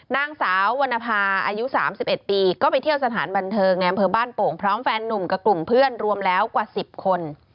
นางสาววรรณภาอายุ๓๑ปีก็ไปเที่ยวสถานบันเทิงในอำเภอบ้านโป่งพร้อมแฟนนุ่มกับกลุ่มเพื่อนรวมแล้วกว่า๑๐คน